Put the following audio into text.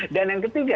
dan yang ketiga